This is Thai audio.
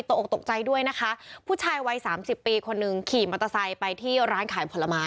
ออกตกใจด้วยนะคะผู้ชายวัยสามสิบปีคนหนึ่งขี่มอเตอร์ไซค์ไปที่ร้านขายผลไม้